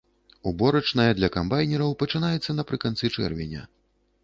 Уборачная для камбайнераў пачынаецца напрыканцы чэрвеня.